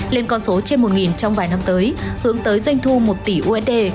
lên con số trên một trong vài năm tới hướng tới doanh thu một tỷ usd